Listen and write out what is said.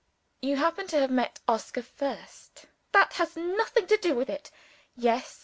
"You happen to have met Oscar first." "That has nothing to do with it." "Yes!